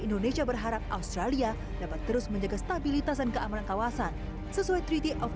indonesia berharap australia dapat terus menjaga stabilitas dan keamanan kawasan sesuai treaty of